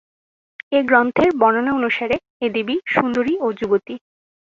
এই গ্রন্থের বর্ণনা অনুসারে, এই দেবী সুন্দরী ও যুবতী।